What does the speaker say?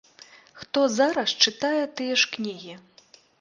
Хто зараз чытае тыя ж кнігі?